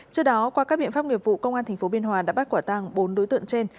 trước đó qua các biện pháp nghiệp vụ công an tp biên hòa đã bắt quả tăng bốn đối tượng trên